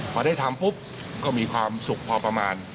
พอได้ทำปุ๊บก็มีความสุขพอประมาณ